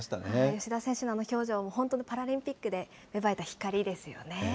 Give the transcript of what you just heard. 吉田選手のあの表情、本当、パラリンピックで芽生えた光ですよね。